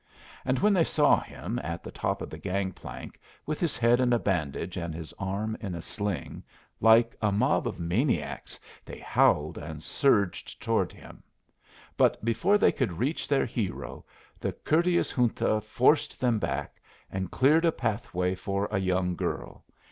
] And, when they saw him at the top of the gang plank with his head in a bandage and his arm in a sling, like a mob of maniacs they howled and surged toward him. But before they could reach their hero the courteous Junta forced them back, and cleared a pathway for a young girl.